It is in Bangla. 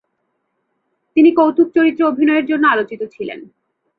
তিনি কৌতুক চরিত্রে অভিনয়ের জন্যে আলোচিত ছিলেন।